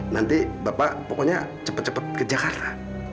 nanti bapak pokoknya cepet cepet ke jakarta